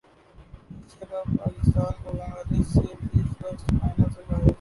Asia cup Pakistan کو Bangladesh سے بھی شکست فائنل سے باہر